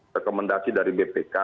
rekomendasi dari bpk